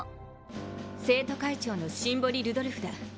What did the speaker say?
生徒会長のシンボリルドルフだ。